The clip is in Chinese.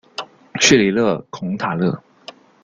叙里勒孔塔勒。